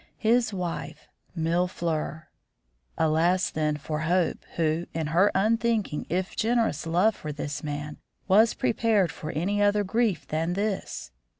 His wife, Mille fleurs! Alas, then, for Hope, who, in her unthinking if generous love for this man, was prepared for any other grief than this!